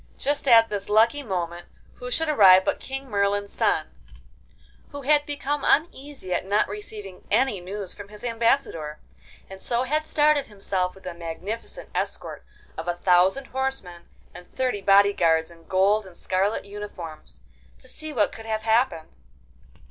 Just at this lucky moment who should arrive but King Merlin's son, who had become uneasy at not receiving any news from his Ambassador, and so had started himself with a magnificent escort of a thousand horsemen, and thirty body guards in gold and scarlet uniforms, to see what could have happened.